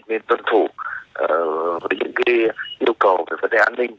nên tuân thủ với những cái yêu cầu về vấn đề an ninh